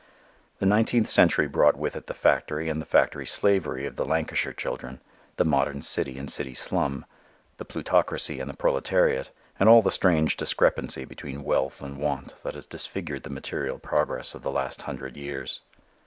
The nineteenth century brought with it the factory and the factory slavery of the Lancashire children, the modern city and city slum, the plutocracy and the proletariat, and all the strange discrepancy between wealth and want that has disfigured the material progress of the last hundred years.